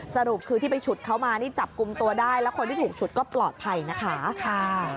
สรุปคือที่ไปฉุดเขามานี่จับกลุ่มตัวได้แล้วคนที่ถูกฉุดก็ปลอดภัยนะคะ